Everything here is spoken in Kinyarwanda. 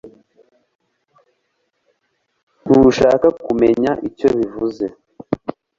Ntushaka kumenya icyo bivuze